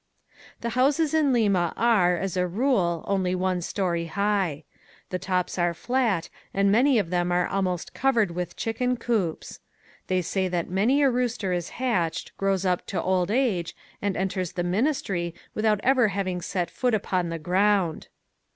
The houses in Lima are, as a rule, only one story high. The tops are flat and many of them are almost covered with chicken coops. They say that many a rooster is hatched, grows up to old age and enters the ministry without ever having set foot upon the ground.